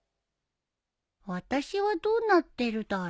私はどうなってるだろ